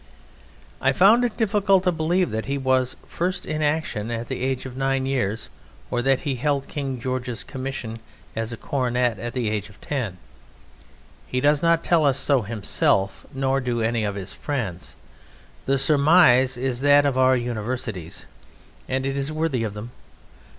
I find it difficult to believe that he was first in action at the age of nine years or that he held King George's commission as a Cornet at the age of ten. He does not tell us so himself nor do any of his friends. The surmise is that of our Universities, and it is worthy of them.